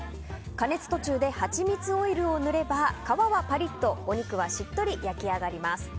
加熱途中でハチミツオイルを塗れば皮はパリッとお肉はしっとり焼き上がります。